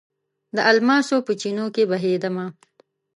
د الماسو په چېنو کې بهیدمه